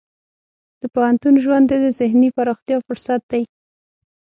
د پوهنتون ژوند د ذهني پراختیا فرصت دی.